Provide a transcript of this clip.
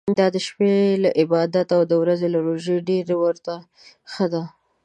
دا د شپې له عبادته او د ورځي له روژې ډېر ورته ښه ده.